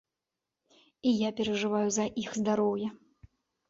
І я перажываю за іх здароўе.